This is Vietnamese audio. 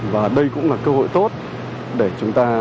và đây cũng là cơ hội tốt để chúng ta